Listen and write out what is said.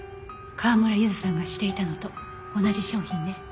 川村ゆずさんがしていたのと同じ商品ね。